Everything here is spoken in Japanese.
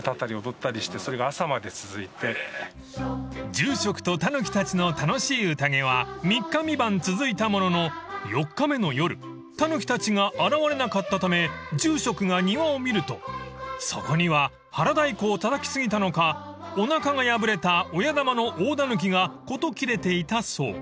［住職とたぬきたちの楽しい宴は三日三晩続いたものの４日目の夜たぬきたちが現れなかったため住職が庭を見るとそこには腹太鼓をたたき過ぎたのかおなかが破れた親玉の大だぬきが事切れていたそう］